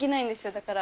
だから。